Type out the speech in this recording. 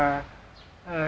ông ấy trình bày